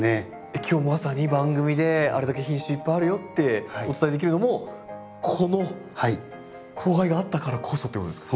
今日まさに番組であれだけ品種いっぱいあるよってお伝えできるのもこの交配があったからこそってことですか？